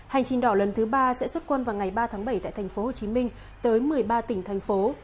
hành trình đỏ lần thứ ba sẽ xuất quân vào ngày ba tháng bảy tại thành phố hồ chí minh tới một mươi ba tỉnh thành phố